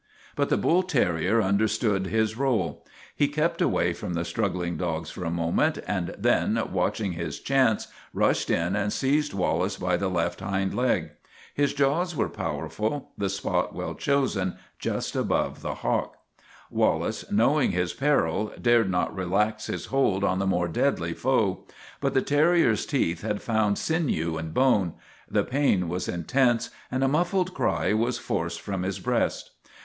But ,the bull terrier understood his role. He kept away from the struggling dogs for a moment, and then, watching his chance, rushed in and seized Wal lace by the left hind leg. His jaws were powerful, the spot well chosen, just above the hock. Wallace, knowing his peril, dared not relax his hold on the more deadly foe. But the terriers teeth had found sinew and bone ; the pain was intense, and a muffled cry was forced from his breast.